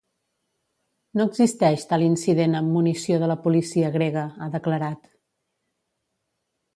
No existeix tal incident amb munició de la policia grega, ha declarat.